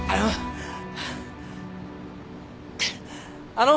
あの。